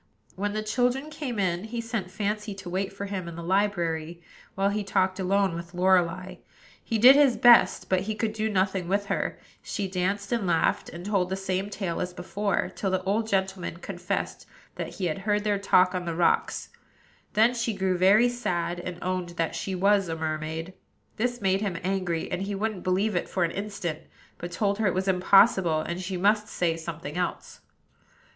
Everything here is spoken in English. When the children came in, he sent Fancy to wait for him in the library, while he talked alone with Lorelei. He did his best; but he could do nothing with her, she danced and laughed, and told the same tale as before, till the old gentleman confessed that he had heard their talk on the rocks: then she grew very sad, and owned that she was a mermaid. This made him angry, and he wouldn't believe it for an instant; but told her it was impossible, and she must say something else.